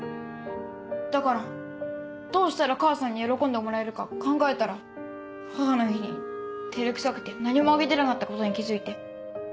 だからどうしたら母さんに喜んでもらえるか考えたら母の日に照れくさくて何もあげてなかったことに気付いて。